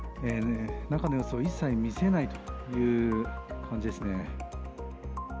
中の様子を一切見せないという感じですね。